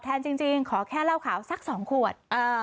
แต่จะให้เล่าข่าวสักขวด